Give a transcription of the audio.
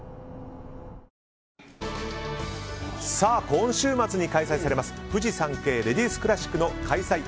今週末に開催されますフジサンケイレディスクラシックの開催